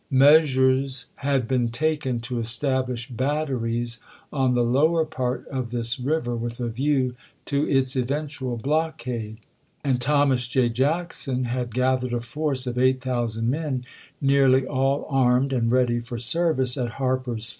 Measures had been taken to establish batteries on the lower part of this river with a view to its eventual blockade, and Thomas J. Jackson had gathered a force of eight thousand men, THE ADVANCE 311 nearly all armed and ready for service, at Harper's ch. xviii.